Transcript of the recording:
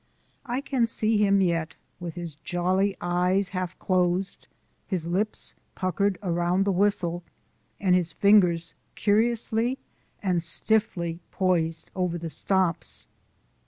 I can see him yet, with his jolly eyes half closed, his lips puckered around the whistle, and his fingers curiously and stiffly poised over the stops.